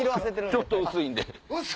ちょっと薄いんで。